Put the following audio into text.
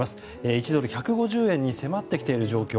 １ドル＝１５０円に迫ってきている状況。